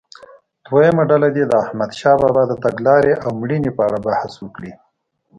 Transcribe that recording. دویمه ډله دې د احمدشاه بابا د تګلارې او مړینې په اړه بحث وکړي.